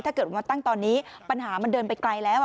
ถ้าเกิดว่าตั้งตอนนี้ปัญหามันเดินไปไกลแล้ว